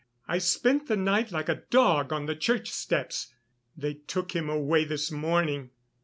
I spent the night like a dog on the church steps.... They took him away this morning...."